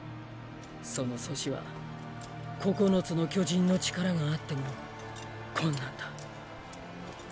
その阻止は「九つの巨人」の力があっても困難だ。